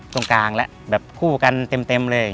ตรงกลางแล้วแบบคู่กันเต็มเลย